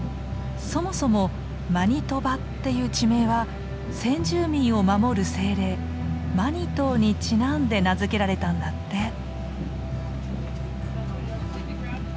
そもそもマニトバっていう地名は先住民を守る精霊マニトーにちなんで名付けられたんだって。